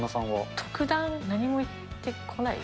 特段、何も言ってこないです。